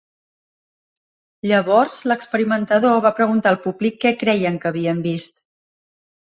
Llavors, l'experimentador va preguntar al públic què creien que havien vist.